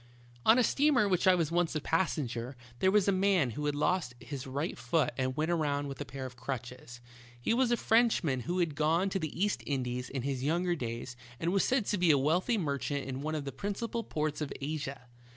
On a steamer on which I was once a passenger, there was a man who had lost his right foot and went around with a pair of crutches. He was a Frenchman who had gone to the East Indies in his younger days and was said to be a wealthy merchant in one of the principal ports of Asia.